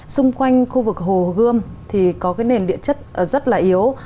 xung quanh khu vực hồ gươm thì có cái nền điện chất rất là yếu